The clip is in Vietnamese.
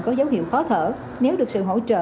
có dấu hiệu khó thở nếu được sự hỗ trợ